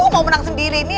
mau menang sendiri nih